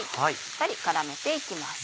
しっかり絡めて行きます。